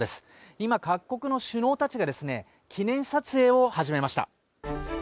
今、各国の首脳たちが記念撮影を始めました。